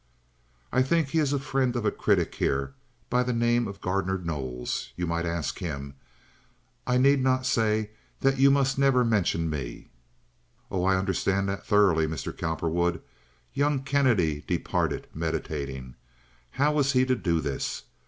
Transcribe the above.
"I think he is a friend of a critic here by the name of Gardner Knowles. You might ask him. I need not say that you must never mention me. "Oh, I understand that thoroughly, Mr. Cowperwood." Young Kennedy departed, meditating. How was he to do this?